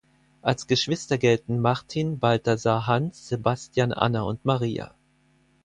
Als Geschwister gelten Martin, Balthasar, Hans, Sebastian, Anna und Maria.